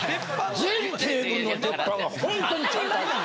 全テーブルの鉄板がホントにちゃんと熱くて。